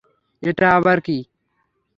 এটা আবার কী?